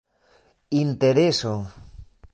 intereso